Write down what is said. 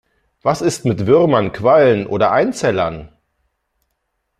Was ist mit Würmern, Quallen oder Einzellern?